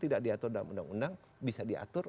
tidak diatur dalam undang undang bisa diatur